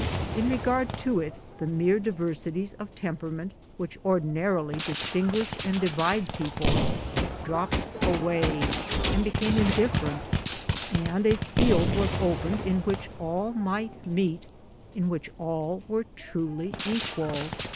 In regard to it the mere diversities of temperament which ordinarily distinguish and divide people dropped away and became indifferent, and a field was opened in which all might meet, in which all were truly Equal.